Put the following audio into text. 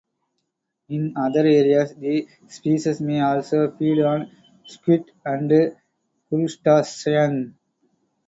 In other areas, the species may also feed on squid and crustaceans.